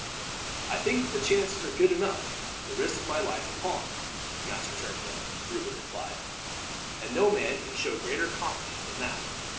"I think that the chances are good enough to risk my life upon, Master Turnbull," Reuben replied; "and no man can show greater confidence than that.